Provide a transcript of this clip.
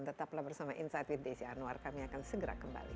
tetaplah bersama insight with desi anwar kami akan segera kembali